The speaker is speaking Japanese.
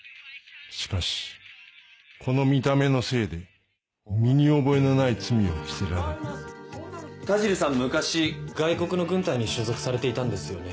しかしこの見た目のせいで身に覚えのない罪を着せられ田尻さん昔外国の軍隊に所属されていたんですよね。